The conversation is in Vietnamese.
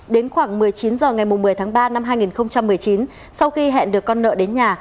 đến khoảng một mươi chín h ngày một mươi tháng ba năm hai nghìn một mươi chín sau khi hẹn được con nợ đến nhà